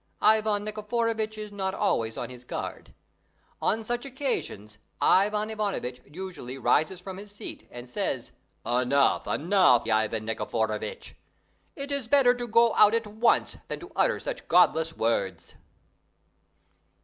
Ivan Nikiforovitch is not always on his guard. On such occasions Ivan Ivanovitch usually rises from his seat, and says, "Enough, enough, Ivan Nikiforovitch! It's better to go out at once than to utter such godless words."